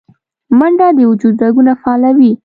منډه د وجود رګونه فعالوي